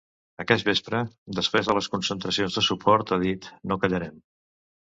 Aquest vespre, després de les concentracions de suport, ha dit: No callarem.